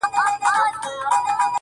خير سجده به وکړم تاته؛ خير دی ستا به سم؛